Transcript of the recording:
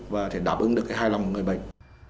và sẽ đảm ứng được cái hài lòng của người bệnh